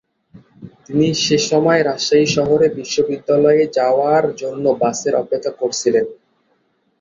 তিনি সেসময় রাজশাহী শহরে বিশ্ববিদ্যালয়ে যাওয়ার জন্য বাসের অপেক্ষা করছিলেন।